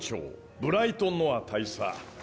ブライト・ノア大佐。